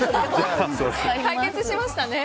解決しましたね。